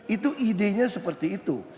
itu idenya seperti itu